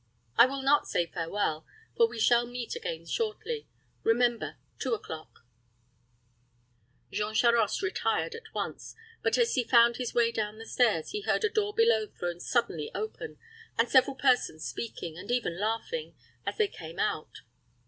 I will not say farewell, for we shall meet again shortly. Remember, two o'clock." Jean Charost retired at once; but, as he found his way down the stairs, he heard a door below thrown suddenly open, and several persons speaking, and even laughing, as they came out.